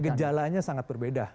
gejalanya sangat berbeda